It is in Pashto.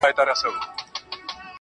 خو ته د هر محفل په ژبه کي هينداره شوې